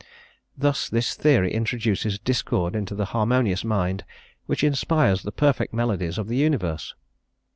Thus, this theory introduces discord into the harmonious mind which inspires the perfect melodies of the universe.